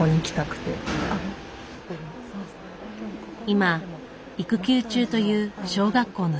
今育休中という小学校の先生。